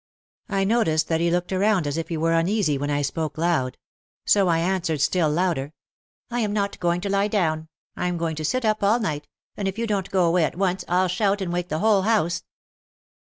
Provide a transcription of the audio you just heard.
I noticed that he looked around as if he were uneasy when I spoke loud. So I answered still louder : "I am not going to lie down. I am going to sit up all night, and if you don't go away at once I'll shout and wake the whole house."